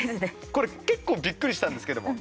これ、結構びっくりしたんですけども。